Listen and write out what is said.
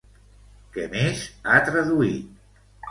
Què més ha traduït?